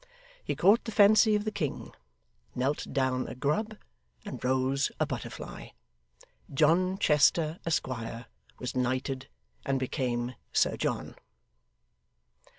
He caught the fancy of the king, knelt down a grub, and rose a butterfly. John Chester, Esquire, was knighted and became Sir John.